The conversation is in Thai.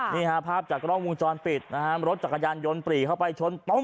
นี่ฮะหภาพจากกล้องพุนจรปิดรถจักรยานยนต์ปลี่เข้าไปชนต้งเข้าไปอืม